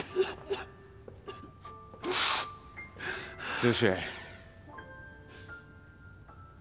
剛。